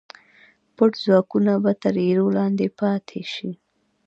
پټ ځواکونه به تر ایرو لاندې پاتې شي.